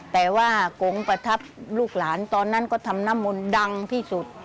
แต่ว่ากงประทับลูกหลานตอนนั้นก็ทำน้ำมนต์ดังที่สุด